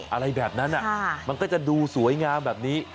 อะไรแบบนั้นมันก็จะดูสวยงามแบบนี้